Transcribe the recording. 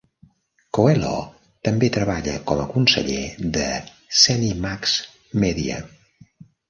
Coelho també treballa com a conseller de ZeniMax Media.